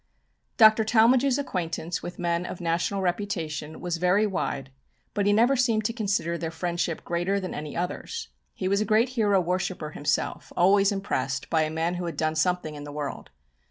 Dr. Talmage's acquaintance with men of national reputation was very wide, but he never seemed to consider their friendship greater than any others. He was a great hero worshipper himself, always impressed by a man who had done something in the world.